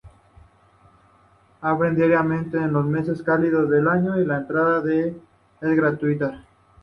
Abren diariamente en los meses cálidos del año, la entrada es gratuita.